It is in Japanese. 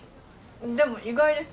でも意外です